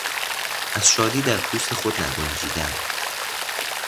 از شادی در پوست خود نگنجیدن